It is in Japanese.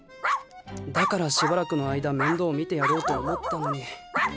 だからしばらくの間面倒見てやろうと思ったのにわん！